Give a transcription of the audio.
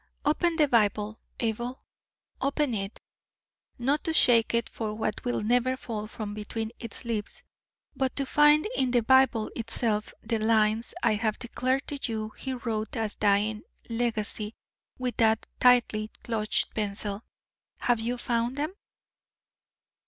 Open the Bible, Abel; open it, not to shake it for what will never fall from between its leaves, but to find in the Bible itself the lines I have declared to you he wrote as a dying legacy with that tightly clutched pencil. Have you found them?"